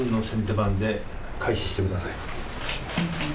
番で開始してください。